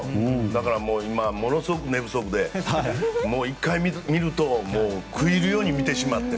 だから、今ものすごく寝不足で１回見ると食い入るように見てしまって。